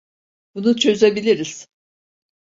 Bunu çözebiliriz.